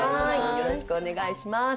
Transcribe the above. よろしくお願いします。